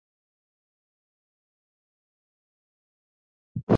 Según cuentan los pobladores hay una pirámide debajo del templo.